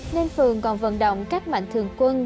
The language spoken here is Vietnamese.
nên phường còn vận động các mạnh thường quân